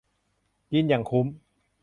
กินอย่างคุ้ม